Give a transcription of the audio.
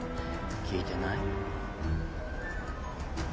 聞いてない？